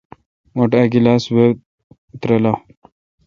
مٹھ ا گلاس وہ ترلہ۔